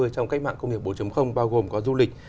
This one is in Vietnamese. trong cách mạng công nghiệp bốn bao gồm có du lịch